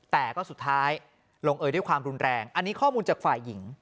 แต่ก็สุดท้ายลงเอยด้วยความรุนแรงอันนี้ข้อมูลจากฝ่ายหญิง